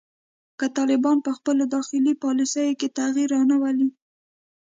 که طالبان په خپلو داخلي پالیسیو کې تغیر رانه ولي